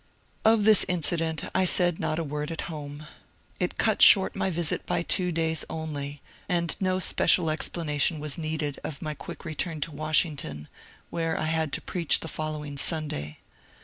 Of this incident I said not a word at home. It cut short my visit by two days only, and no special explanation was needed of my quick return to Washington, where I had to preach the following Sunday.